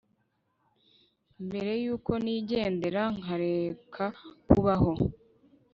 mbere y'uko nigendera, nkareka kubaho